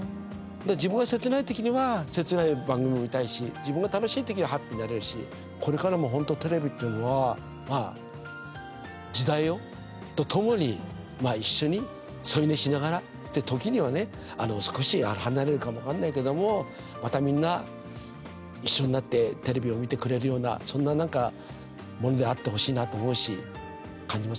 自分が切ない時には切ない番組を見たいし、自分が楽しい時はハッピーになれるしこれからも本当テレビってのはまあ時代とともに一緒に添い寝しながら時にはね少し離れるかも分かんないけどもまたみんな一緒になってテレビを見てくれるようなそんな、なんかものであってほしいなと思うし、感じますね。